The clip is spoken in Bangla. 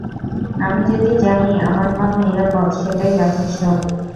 আমি যদি জানি আমার মাল নিরাপদ, সেটাই যথেষ্ট।